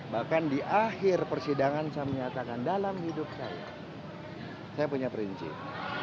bahkan di akhir persidangan saya menyatakan dalam hidup saya saya punya prinsip